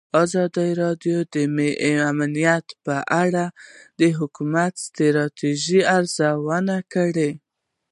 ازادي راډیو د امنیت په اړه د حکومتي ستراتیژۍ ارزونه کړې.